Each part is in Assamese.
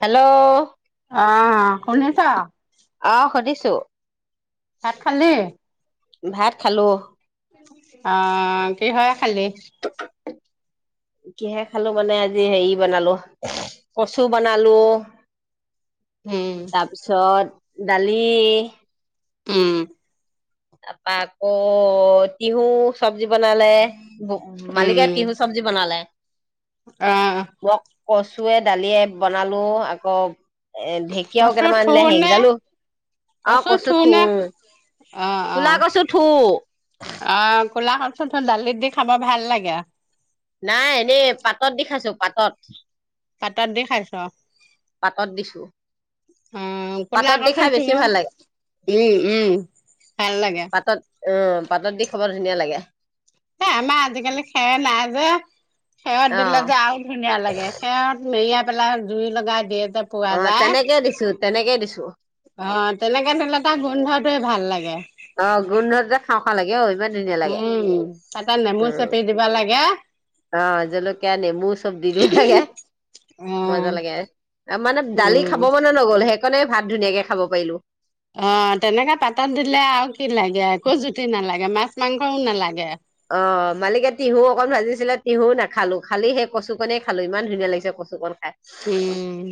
হেল্ল' আহ শুনিছ অ', শুনিছোঁ। ভাত খালি [unintelligible] ভাত খালোঁ। অ'। কিহৰে খালি? কিহেৰে খালো মানে আজি হেৰি বনালো, কচু বনালোঁ উম তাৰপিছত দালি উম। তাৰপা আকৌ তিহু চব্জি বনালে [unintelligible] মালিকে উম তিহু চবজি বনালে। আহ বক কচুৱে দালিয়ে বনালো, আকৌ এ' ঢেঁকীয়াও কচু থুৰ কেইটামানিলে নে হেইকেদালো, অ' কচু থুৰ নে ঠুৰ। অ অ কোলা কচুৰ ঠুৰ। আহ কলা কচুৰ ঠুৰ দালিত দি খাব ভাল লাগে। নাই এনে পাতত দি খাইছোঁ, পাতত। পাতত দি খাইছ। অঁ পাতত দিছোঁ। উম অঁ', কলা কচুৰ ঠুৰ, ভাল লাগে উম, উম ভাল লাগে। পাতত উম, পাতত দি খাব ধুনীয়া লাগে। এ আমাৰ আজিকালি খেৰ নাই যে। খেৰত অ দিলে যে আৰু ধুনীয়া লাগে খেৰত মেৰিয়াত। পেলাই জুই লগাই দিয়ে। পোৱা অ যায়। তেনেকে দিছো তেনেকে দিছো অঁ' তেনেকে ধৰি ল এটা গোন্ধ। খুবেই ভাল লাগে। অঁ', গোন্ধত যে খাওঁ খাওঁ লাগে অঁ'। উম, তাতে নেমু চেপি দিবা লাগে। অঁ', জলকীয়া নেমু চব দি দিব লাগে, উম মজা লাগে। মানে দালি উম খাব মনে নগ'ল। সেয়ে কনে ভাত ধুনীয়াকে খাব পাৰিলোঁ। অঁ', তেনেকে পাতত দিলে আৰু। কি লাগে, একো জুতি নালাগে, মাছ মাংসও নালাগে। অঁ মালিকে তিহু অকন ভাজিছিলে তিহু নাখালো। খালি সেই কচু কনেই খালোঁ ইমান ধুনীয়া লাগিছে কচু কন। খাই উম,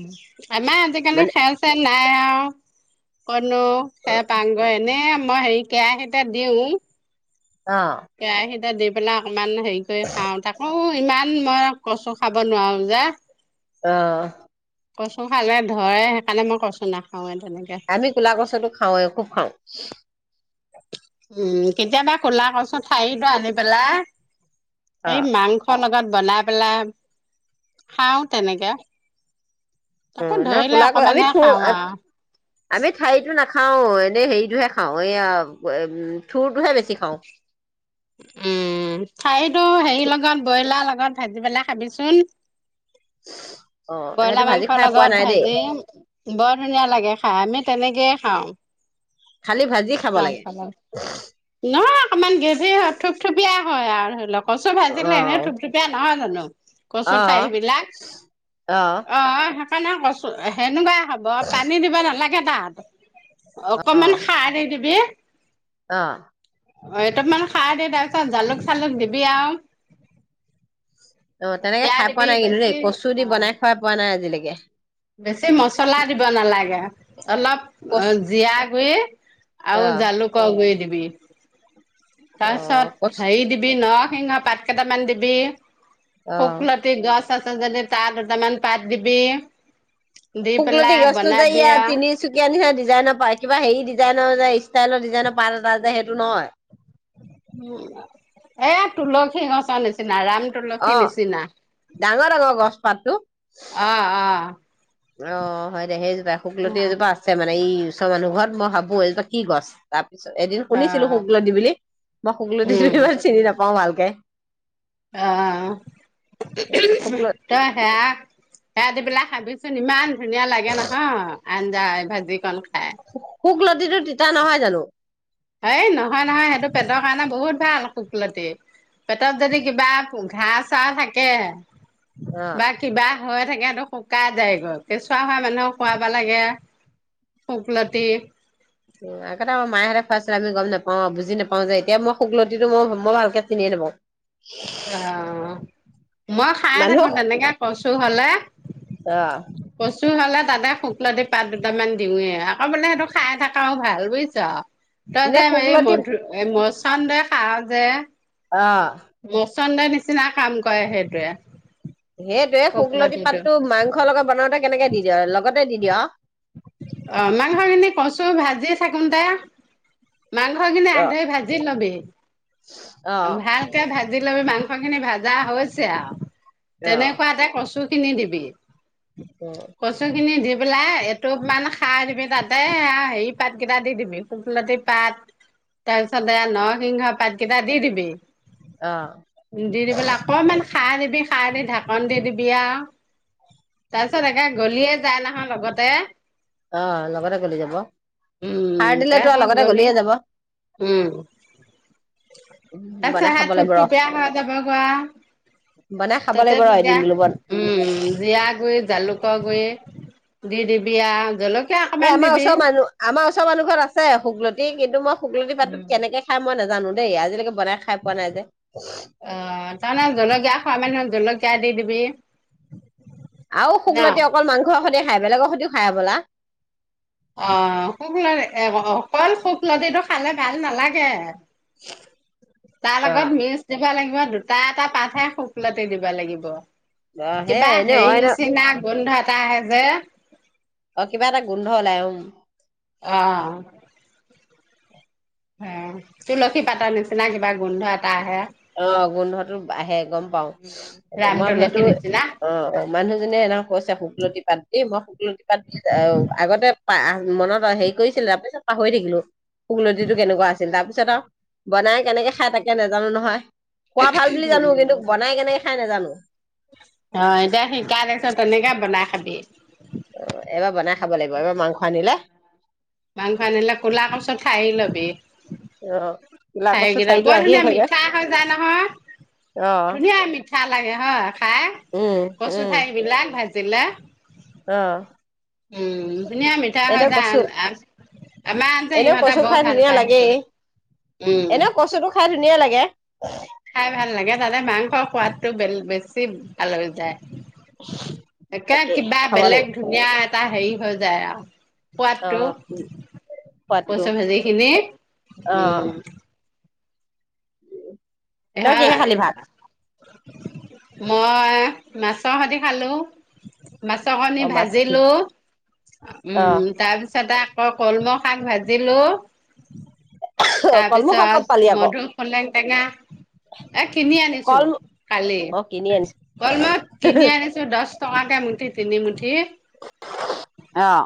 আমাৰ আজিকালি মানে খেৰ-চেৰ নাই আৰু। [unintelligible] সেই পাংঘৰ এনে আমা। মই হেৰি কেৰাহীটা দিও। অ কেৰাহি তো দিওঁ দে পেলা। অকমান হেৰি কৰি খাওঁ তাকো? ইমান মই কছো খাব নোৱাৰো, যে অঁ। কচু খালে ধৰে সেইকাৰণে মই কচু নাখাওঁ এ। আমি ক'লা গছো খাওঁতেও খুব খাওঁ। উ। [inaudible] উম, কেতিয়াবা কোলা কচো ঠাৰিটো আনি পেলাই। অ সেই মাংস লগাত বনাই পেলাই খাওঁ তেনেকে। অঁ, তাকো ন ধৰিলে কোলা অকমানহে ক-আমি-থ খাওঁ আৰু আমি ঠাইতটো নাখা খাওঁ, এনেই হেৰিটোহে খাওঁ, এইয়া থুৰটোহে বেছি খাওঁ। উম', ঠাৰিতু হেৰি লগত ব্ৰইলাৰ লগত, লগত ভাজি পেলাই খাবিচোন, [inaudible] সেইটো ব্ৰইলাৰ ভাজি মাংসৰ খাই পোৱা লগত নাই দেই ভাজি বৰ ধুনীয়া লাগে খাই, আমি, ' তেনেকেই খাওঁ। খালি ভাজি খাব লাগে। অকণমান গ্ৰেভী হয়, থুপ-থুপিয়া হয় আৰু ধৰি লক্ কচু অ ভাজিলে এনেও অ থুপথুপীয়া নহয়। [unintelligible] কচুঠাৰিবিলাক, অ অহ, [unintelligible] হ'ব পানী দিবা নালাগে। কেতাত, অকমান, কিবি, অহ, ' অ, 'এইটো মানে খাৰ দে তাৰপিছত, জালুক-চালুক দিবি আৰু। অ, ' তেনেকে জিৰা খাই পোৱা দিবি নাই কিন্তু বেছি দেই, কচু অ দি বনাই খাই পোৱা নাই আজিলৈকে। [unintelligible] বেছি মচলা দিব নালাগে। অলপ কচ জীৰা গুৰি, অ আৰু জালুকৰ গুৰি দবি। [unintelligible] অ কচ তাৰপিছত হেৰি দিবি ন, ' নৰসিংহ পাত কেটা মান দিবি, অ শুকলতি গছ, চাচুন তাৰ যদি তাৰ দুটা মান পাত দিবি। দি শুকলতি পেলাই গছটো যে বনাবি ইয়াত আৰু তিনিচুকীয়াৰ নিচিনা, ডিজাইনৰ পায় কিবা হেৰি ডিজাইনৰ যে, ষ্টাইলৰ, ডিজাইনৰ পাত এটা যে হেইটো। তোৰ নহয়। উম, 'এয়া তুলসী গছৰ নিচিনা ৰাম, তুলসী অ', নিচিনা ডাঙৰ -ডাঙৰ গছ পাতটো। অ অ অ', হয় দে সেইজোপা শুকলতি এজোপা আছে মানে এই, উচৰ মানুহ ঘৰত মই ভাবো এই জোপা কি গছ, তাত এদিন অ শুনিছিলো শুকলতি বুলি, মই শুকলতি টো ইমান চিনি নাপাওঁ ভাল, [unintelligible] অহ তই শুকল সেয়া সেয়া দিবিলা‌ খাৱিচোন [unintelligible] ইমান ধুনীয়া লাগে নহয় আঞ্জায়ে ভাজি কণ খাই শুকলতিটো তিতা নহয় জানো? এই নহয় নহয় সেইটো পেটৰ কাৰণে বহুত ভাল শুকলতি, পেটত যদি কিবা ঘাঁ চা থাকে অ', বাহ কিবা হৈ থাকেটো শুকাই যায়গৈ, কেঁচুৱা হোৱা মানুহক খুৱাব লাগে, শুকলতি। উম আগতে মাহতে খোৱাইছিল আমি গম নাপাওঁ বুজি নাপাওঁ যেতিয়া মই শুকলতিটো মই মই ভালকে চিনিয়ে নাপাওঁ। অহ মই খাই থাকো মানুহক তেনেকে কচু হ'লে, অ', কচু তোৰ হ'লে তাতে শুকলতি পাত দুটামান দিওঁৱে আকৌ বোলে সেইটো খাই থকাও ভাল, বুজিছ। তই এনে যে এই শুকলতি মধুৰএ মচু সন্দেহ সাহ যে অহ। [unintelligible] নিচিনা কাম কৰে সেইটোৱে সেইটোৱে শুকলতি শুকলতিটো পাতটো মাংসৰ লগত বনাওঁতে কেনেকে দি দিয়া হয় লগত কিয় দি দিয়া। অহ মাংসখিনি কচু ভাজি থাকোঁতে মাংস কিন্তু অ', আগে ভাজি লবি অ', ভালকে ভাজিলৈ ম মাং খোৱাখিনি ভাজা হৈছে আৰু অ', তেনেকুৱা এটা কচ তোৰ খিনি দিবি কচু খিনি যি ওলায় টোপমান খাৰ দিবি তাতে আৰু হেৰি পাত কেইটা দি দিবি শুকলতি পাত তাৰপিছতে নৰসিংহ পাতকেইটা দি দিবি। অ', দি দিবলৈ অকণমান খাৰ দিবি খাৰ দি ঢাকন দি দিবি আৰু তাৰপিছত একে গলিয়ে যায় নহয় লগতে অহ লগতে গলি যাব উম খাৰ দিলে টো আৰু তাৰপিছত লগতে গলি গলিয়ে যাব। উম। তাছ বনাই হাত খাব থুপ লাগিব ৰ থুপ বেয়া হয় যাব গৱাহ বনাই খাব লাগিব ৰ এদিন [unintelligible] বোলো বন উম জীৰা গুৰি জালুকৰ গুৰি দি দিবি আৰ এ আমাৰ ওচৰৰ মানুহ, আমাৰ ওচ ওচৰ মানুহ ঘৰত আছে শুগলতি কিন্তু মই শুকলতি পাতটো কেনেকে খাই মই নেযা জানো দেই আজিলৈকে বনাই খাই পোৱা নাই যে। তই ন জলকীয়া খোৱা মানুহক জলকীয়া দি দিবি। আও ন শুকলতি অকল মাংস সতে খাই, বেলেগৰ সৈতিও খাই হবলা অ শু অকল শুকলতিটো খালে ভাল নালাগে। তাৰ অ লগত মিজ দিব লাগে তোমাৰ দুটা এটা পাতহে শুকলাতি দিবা লাগিব। অ সেয়াই কিবা এনে হেৰি অইন নিচিনা গোন্ধ এটা হে জে অ কিবা এটা গোন্ধ ওলাই অও অহ অঁ, তুলসী পাতৰ নিচিনা কিব কিবা গোন্ধ এটা আহে। অ গোন্ধটো আহে গম পাও। উম ৰাম মই সেইটো তুলসী নিচিনা অ মানুহজনীয়ে এনেকে কৈছে শুকলতি পাত দি, মই শুকলতি পাত দি, আহ আগতে মা, মনত হেৰি কৰিছিলে তাৰ পিছত পাহৰি থাকিলো। গুকলতিটো কেনেকুৱা আছিল তাৰপিছত আও বনাই কেনেকে খাই তাকে নেজানো নহয়। খোৱা ভাল বুলি জানো কিন্তু উম বনাই কেনেকে খাই নেজানো। অ এতিয়া শিকাই দিছো তেনেকে বনাই খাবি এবাৰ বনাই খাব লাগিব, এবাৰ মাংস আনিলে। মাংস আনিলে কোলা [unintelligible] লবি। অ ক'লা কচু ঠাৰিকেইটা। ঠাৰিটো বৰ আহিয়ে ধুনীয়া থাকে মিঠা হৈ যায় নহয়, অ', ধুনীয়া মিঠা লাগে হয়। খাই উম, কচু ঠাৰি বিলাক ভাজি দিলা অহ। উম ধুনীয়া মিঠা হয় যায় কচু আমাৰ আন যে এনেও সিহঁতে কচু বৰ খাই ভাল ধুনীয়া পায় লাগেই সেইহটো উম এনেও কচুটো খাই ধুনীয়া লাগে। খাই ভাল লাগে তাতে মাংসৰ সোৱাদটো বেলেগ বেছি ভাল হৈ যায় একে তাকে কিবা খাব বেলেগ লাগিব ধুনীয়া এটা হেৰি হৈ যায় অ সোৱাদটো সোৱাদটো পচা ভাজি খিনি অ উম [unintelligible] তই কিহে হয়। খালি ভাত মই মাছৰ সতি খালোঁ। মাছৰ কণি অ মাছ ভাজিলো অ উম, তাৰপিছত আ অ', কলমৌ শাক ভাজিলো। কলমু শাক ক'ত পালি তাৰপিছত আকৌ মধু সোলেং টেঙা। এ কিনি আনিছো কল কালি। অ কিনি আনিছ কলমৌ কিনি আনিছো দচ টকাকে মুঠি তিনি মুঠি। অহ।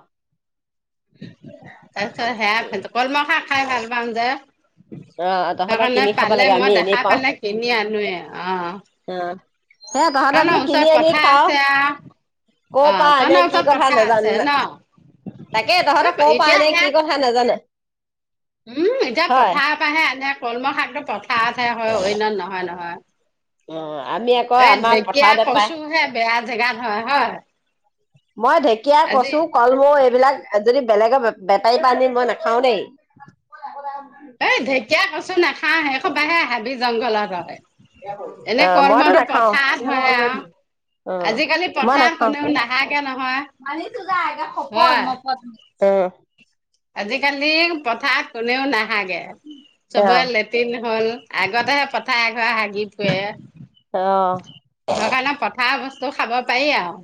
তাৰপিছত সেয়া কলমৌ শাক খাই ভাল পাওঁ যে তহঁতৰ সেইকাৰণে কিনি খাব পালে লাগে আমি মই এনেই দেখা পাওঁ পালে কিনি আনোৱে অ। হে তহঁতে তহঁতৰ বোলো কিনি ওচৰত আনি পথাৰ খাওঁ। আছে আৰু ক'ৰ অ পৰা আনে তহঁতৰ কি ওচৰত কথা পথাৰ নাজান আছে না। ন তাকে এই তহঁতে ক'ৰ পৰা এতিয়া আনে সেয়া কি কথা নাজানে। উম, এতিয়া হয় পথা পা হে আনে কলমৌ শাকটো পথা ঠায়ে ঠায়ে হয়, অন্যত নহয়, নহয়। অ', আমি আকৌ এ আমাৰ ঢেকীয়া পথাৰত হে পায়। কচুহে বেয়া জেগাত হয় হয়। মই ঢেকীয়া, আজি কচু, কলমৌ এইবিলাক যদি বেলেগৰ বেপাৰী পা আনি মই নাখাওঁ দেই। এ ঢেকীয়া, কচু নাখাওঁ সেইসোপা হেই হাবি জংঘলত অ হয় এনে অ', মইতো কলমৌটো নাখাওঁ। পথাৰত হয় আৰু। অ', আজিকালি মই পথাৰত নাখাওঁ কোনেও নাহাগে নহয় হয়। [unintelligible] আজিকালি পথাৰ কোনেও নাহ হাগে অ চবৰে লেট্ৰিন হ'ল। আগতেহে পথাৰ হাগি ফুৰে। অ হেইকাৰণে পথাৰৰ বস্তু খাব পাৰি আৰু।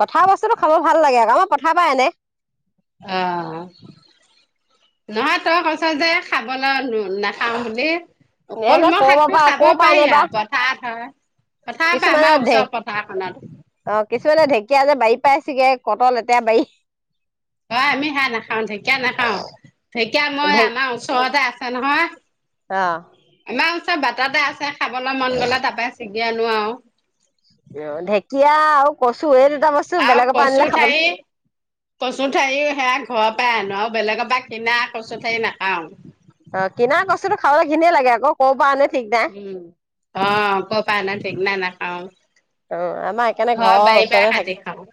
পথাৰৰ বস্তুটো খাব ভাল লাগে আকৌ আমাৰ পথাৰৰ পৰাই আনে। অ', নহয় তই কৈছ যে, খাবলৈ নাখাওঁ বুলি। এ ন কলমৌ ক'ৰ শাকটো পৰা খাব পাৰি আৰু পথাৰত হয়। পথাৰৰ পৰা আমাৰ কিছুমানৰ ঢেক ওচৰৰ পথাৰখনত অ', কিছুমানে ঢেকীয়া, যে বাৰী পাই চিঙে কত লেতেৰা বাৰী অ', আমি সেইয়া নাখাওঁ, ঢেকীয়া, নাখাওঁ। ঢেকীয়া, মই আমাৰ ওচৰতে আছ আছে নহয় আঃ আমাৰ বাটতে আছে খাবলৈ মন গ'লে তাপাই চিগি এতিয়া নোৱোৰো অঁঃ ঢেকীয়া, আৰু কচু এই উ দুটা বস্তু আৰু বেলেগৰ পৰা আনিলে কচু খাবলৈ ঠাৰি কচু ঠাৰিও সেয়া ঘৰত টাপাই আনো আৰু বেলেগৰ পৰা কিনা কচু ঠাৰি নাখাওঁ। অ কিনাাৰ বস্তূতো খাবলৈ ঘিনে লাগে আকৌ ক'ব পৰা আনে ঠিক নাই উম অঁঃ ক পৰা আনে ঠিক নাই না আৰু অ আমাৰ সেইকাৰণে ঘৰৰ ওচৰতে থাকে কাটি খাওঁ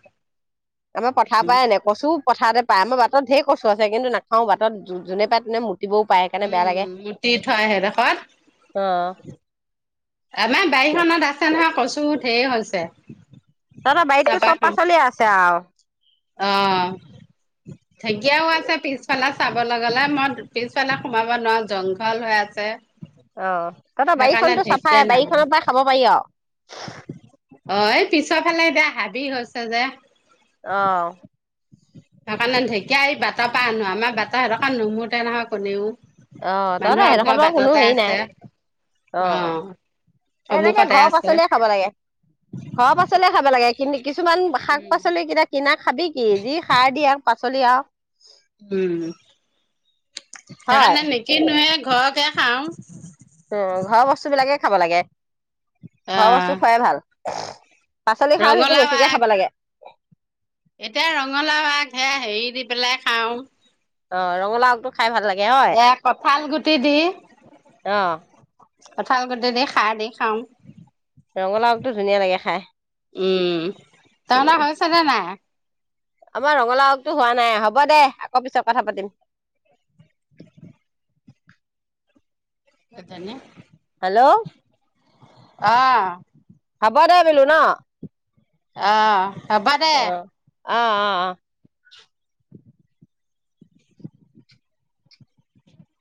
আমাৰ পথাৰৰ পৰাই আনে কচু পথাৰতে পায় আমাৰ বাটত ধেই কছো আছে কিন্তু নাখাও বাটত যোনে পাই তেনে মুতে মুতিবও পায় সেইকাৰণে বেয়া উম লাগে গুটি থয় সেইডোখৰত অঁঃ আমাৰ বাৰিখনত আছে ন কচু ঢেৰ হৈছে। তাত বাৰিততো চব পাচলিয়ে আছে আৰু অঁঃ ঢেকীয়াও আছে পিছফালত- চাবলৈ গলে মই পিছফালে সোমাব নোৱাৰো জংঘল হৈ আছে। অ তহঁতৰ সেইকাৰণে বাৰীখনতো ঢেকীয়া চাফাই নানো বাৰীখনৰ পৰাই খাব পাৰি আৰু অঁঃ এই পিছৰ ফালে এতিয়া হাবি হৈছে। যে সেইকাৰণে ঢেকীয়া এই বাটৰ পৰা আনো আমাৰ বাটাৰ সেইদখত নোমোতে নহয় কোনেও অ তহঁতৰ মানুহৰ সেইদখ ঘৰ বাৰু কোনো বাটতে হেৰি নাই আছে অ এনেকে সন্মুখতে ঘৰ আছে। পাচলিয়ে খাব খাবলাগে ঘৰ পাচলিয়ে খাব লাগে কিছুমান শাক উম পাচলি কেইটা কিনা খাবি কি যি সাৰ দিয়া পাচলি আৰু উম হয় সেইকাৰণে নিকিনোৱে- ঘৰকে খাওঁ। উ', ঘৰৰ বস্তু বিলাকে খাব লাগে। অ ঘৰ বস্তু খোৱাই ভাল। [unintelligible] পাচলি খাৰ সেইটো ৰঙালাও বেছিকে আগ খাব লাগে। এতিয়া ৰঙালাও আঘ হেৰা হেৰি দি বেলে খাওঁ। অহ ', ৰঙালা আগদ। এহ কঁঠাল গুটি দি। অ কঁঠাল গোটি দি খাৰ দি খাওঁ। ৰঙালাওতো ধুনীয়া লাগে খাই। উম', তাৰমানে উম, হৈছে নে নাই? আমাৰ ৰঙালাওটো হোৱা নাই হ'ব দে আকৌ পিছত কথা পাতিম। এজানে হেল্ল', অহ ', হ'ব দে বোলো ন। অহ ', হ'ব দে। অহ- অহ- অহ